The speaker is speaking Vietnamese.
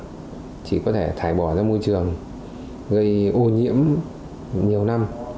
đây là những vật liệu nhựa thải mà không thể tái bỏ ra môi trường gây ô nhiễm nhiều năm